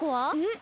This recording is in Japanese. ん？